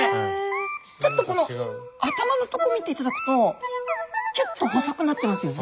ちょっとこの頭のとこ見ていただくとキュッと細くなってますよね。